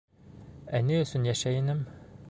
— Ә ни өсөн йәшәй инем?